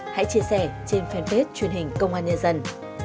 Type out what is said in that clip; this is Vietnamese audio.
hãy chia sẻ trên fanpage truyền hình công an nhân dân